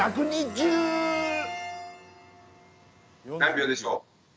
何秒でしょう？